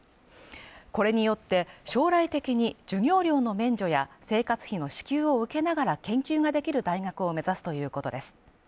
これによって将来的に授業料の免除や生活費の支給を受けながら研究ができる大学を目指すということです。